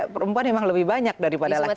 perempuan memang lebih banyak daripada laki laki